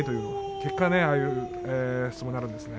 結果ああいう相撲になるんですね。